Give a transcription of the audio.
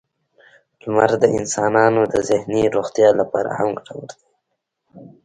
• لمر د انسانانو د ذهني روغتیا لپاره هم ګټور دی.